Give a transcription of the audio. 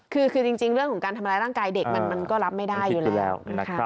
คือจริงเรื่องของการทำร้ายร่างกายเด็กมันก็รับไม่ได้อยู่แล้วนะครับ